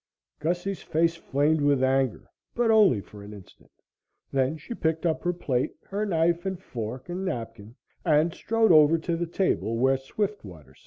Gussie's face flamed with anger, but only for an instant. Then she picked up her plate, her knife and fork and napkin and strode over to the table where Swiftwater sat.